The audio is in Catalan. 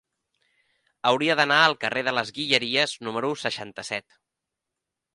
Hauria d'anar al carrer de les Guilleries número seixanta-set.